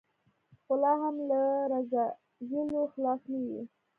خو لا هم له رذایلو خلاص نه وي.